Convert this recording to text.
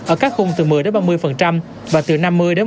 ở các khung từ một mươi ba mươi và từ năm mươi một trăm linh